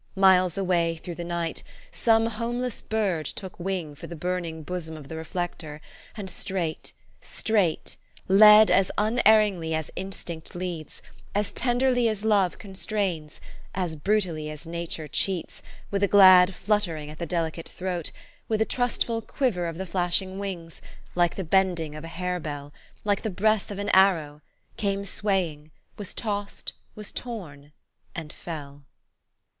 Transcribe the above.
Miles away through the night, some homeless bird took wing for the burning bosom of the reflector, and straight, straight led as un erringly as instinct leads, as tenderly as love con strains, as brutally as Nature cheats, with a glad fluttering at the delicate throat, with a trustful quiver of the flashing wings, like the bending of a harebell, THE STORY OF AVIS. 25 like the breath of an arrow came swa} r mg ; was tossed, was torn, and fell.